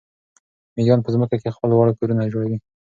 مېږیان په ځمکه کې خپل واړه کورونه جوړوي.